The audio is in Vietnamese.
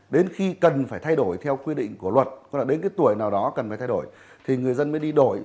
đến khi cần phải thay đổi theo quy định của luật tức là đến cái tuổi nào đó cần phải thay đổi thì người dân mới đi đổi